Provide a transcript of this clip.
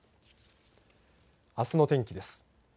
あすの天気です。